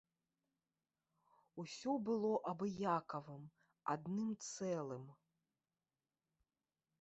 Усё было абыякавым, адным цэлым.